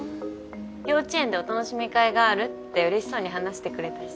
幼稚園で「おたのしみ会」があるって嬉しそうに話してくれたし。